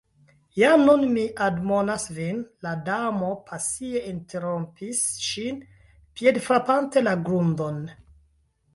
"Jam nun mi admonas vin," la Damo pasie interrompis ŝin, piedfrapante la grundon